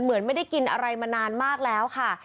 เหมือนไม่ได้กินอะไรมานานมากแล้วค่ะ